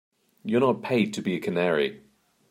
You're not paid to be a canary.